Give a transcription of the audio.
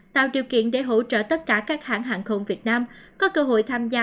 tạo điều kiện để hỗ trợ tất cả các hãng hàng không việt nam có cơ hội tham gia